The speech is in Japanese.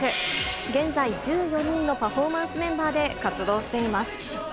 現在１４人のパフォーマンスメンバーで活動しています。